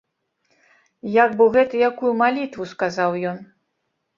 Як бы гэта якую малітву сказаў ён.